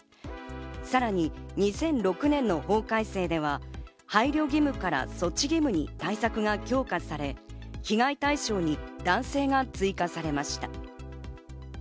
さらに２００６年の法改正では、配慮義務から措置義務に対策が強化され被害対象に男性が追加されました。